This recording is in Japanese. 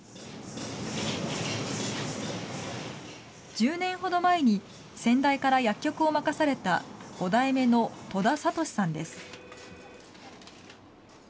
１０年ほど前に、先代から薬局を任された５代目の戸田哲司さんです。